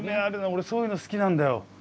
俺そういうの好きなんだよ。